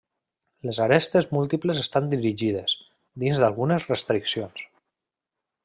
Les arestes múltiples estan dirigides, dins d'algunes restriccions.